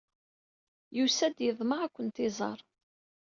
Yusa-d, yeḍmeɛ ad kent-iẓer.